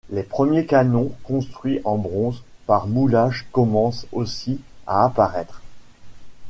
Les premiers canons construits en bronze par moulage commencent aussi à apparaître.